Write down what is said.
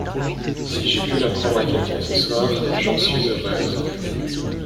Si j’ai pu l’apprendre à quelqu’un ce soir, j’en suis heureuse.